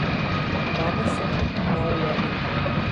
Mama soka — nav labi.